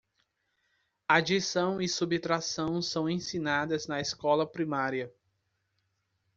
Adição e subtração são ensinadas na escola primária.